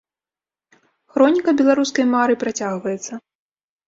Хроніка беларускай мары працягваецца.